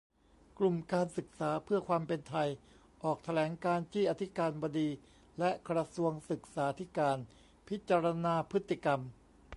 กลุ่มการศึกษาเพื่อความเป็นไท ออกแถลงการณ์ จี้อธิการบดีและกระทรวงศึกษาธิการพิจารณาพฤติกรรม